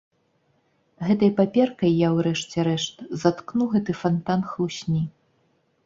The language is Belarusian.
Гэтай паперкай я, урэшце рэшт, заткну гэты фантан хлусні.